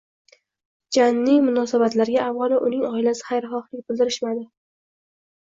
Janning munosabatlariga avvalo uning oilasi xayrixohlik bildirishmadi